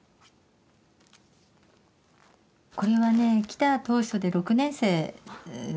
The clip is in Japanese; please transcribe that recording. これはね来た当初で６年生の時ですかね。